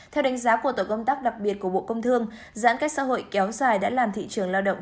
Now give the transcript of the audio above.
theo đánh giá của tổ công tác đặc biệt của bộ công thương giãn cách xã hội kéo dài đã làm thị trường lao động